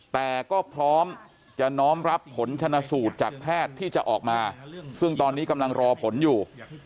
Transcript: แต่ก็พร้อมจะน้อมรับผลชนะสูตรจากแพทย์ที่จะออกมาซึ่งตอนนี้กำลังรอผลอยู่